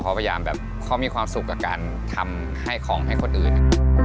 เขาพยายามแบบเขามีความสุขกับการทำให้ของให้คนอื่น